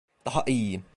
Daha iyiyim.